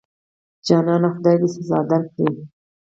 جانانه خدای دې سزا درکړي.